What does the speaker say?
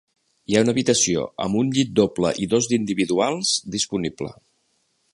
Hi ha una habitació amb un llit doble i dos d'individuals disponible.